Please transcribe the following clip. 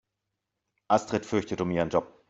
Astrid fürchtet um ihren Job.